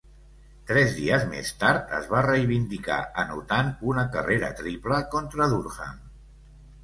Tres dies més tard, es va reivindicar anotant una carrera triple contra Durham.